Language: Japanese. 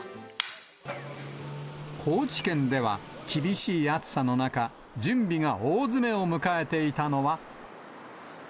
高知県では、厳しい暑さの中、準備が大詰めを迎えていたのは。